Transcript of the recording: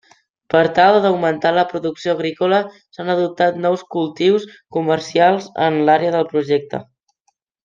Per tal d'augmentar la producció agrícola s'han adoptat nous cultius comercials en l'àrea del projecte.